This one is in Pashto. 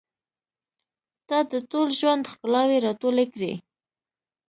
• ته د ټول ژوند ښکلاوې راټولې کړې.